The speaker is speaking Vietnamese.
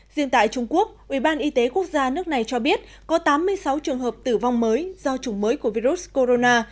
riêng tại trung quốc ubnd nước này cho biết có tám mươi sáu trường hợp tử vong mới do chủng mới của virus corona